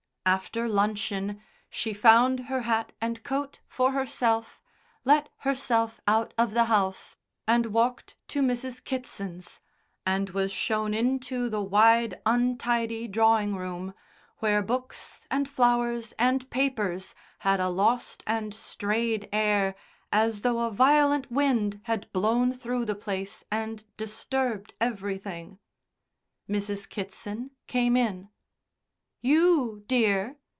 After luncheon she found her hat and coat for herself, let herself out of the house, and walked to Mrs. Kitson's, and was shown into the wide, untidy drawing room, where books and flowers and papers had a lost and strayed air as though a violent wind had blown through the place and disturbed everything. Mrs. Kitson came in. "You, dear?"